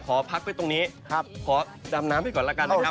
ขอพักไว้ตรงนี้ขอดำน้ำไปก่อนแล้วกันนะครับ